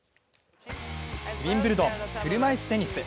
ウィンブルドン・車いすテニス。